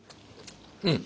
うん。